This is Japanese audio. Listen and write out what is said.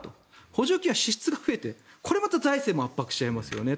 補助金は支出が増えてこれまた財政を圧迫しちゃいますよね。